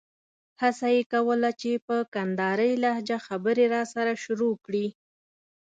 هڅه یې کوله چې په کندارۍ لهجه خبرې راسره شروع کړي.